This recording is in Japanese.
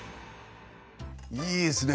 いいですね。